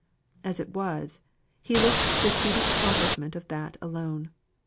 As it was, he looked to the speedy accomplishment of that alone.